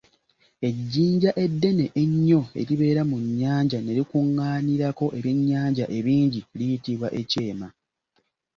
Ejjinja eddene ennyo eribeera mu nnyanja ne likuŋaanirako ebyennyanja ebingi liyitibwa ekyema.